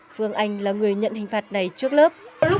phương anh là người nhận hình phạt này trước lớp